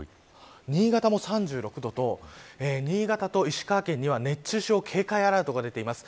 新潟も３６度と新潟と石川県には熱中症警戒アラートが出ています。